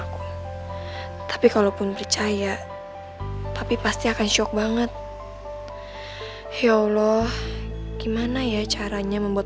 aku tapi kalaupun percaya tapi pasti akan shock banget ya allah gimana ya caranya membuat